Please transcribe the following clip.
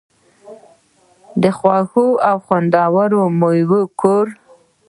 د خوږو او خوندورو میوو کور.